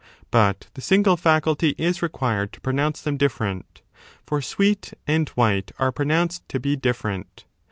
But the single faculty is required to pronounce them different, for sweet and white are pronounced to be different.